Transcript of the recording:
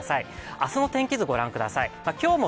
明日の天気図ご覧ください。